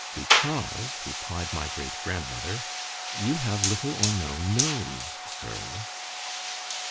— —"Because," replied my great grandmother, "you have little or no nose, Sir."